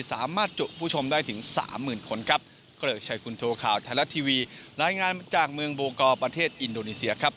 สามารถจุดผู้ชมได้ถึง๓หมื่นคน